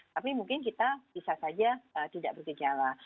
tapi mungkin kita bisa saja tidak bergejala